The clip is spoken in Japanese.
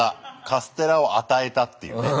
カステラを与えたっていうね。